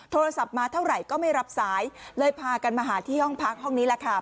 โทรศัพท์มาเท่าไหร่ก็ไม่รับสายเลยพากันมาหาที่ห้องพักห้องนี้แหละค่ะ